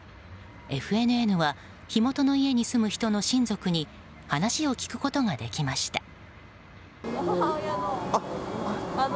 ＦＮＮは火元に家に住む人の親族に話を聞くことができました。